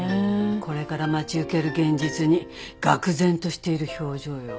これから待ち受ける現実にがく然としている表情よ。